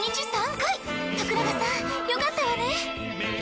徳永さんよかったわね。